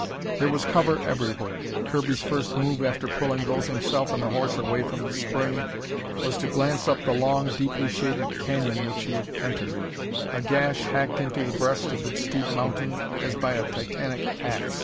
There was cover everywhere. Kirby's first move after pulling both himself and the horse away from the spring, was to glance up the long, deeply shaded canyon which he had entered a gash hacked into the breast of the steep mountain as by a titanic ax.